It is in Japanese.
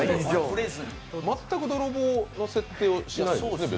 全く泥棒の設定はしないですね。